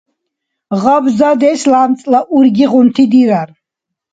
Гъабзадеш лямцӀла ургигъунти дирар.